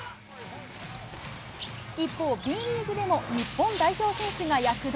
一方、Ｂリーグでも日本代表選手が躍動。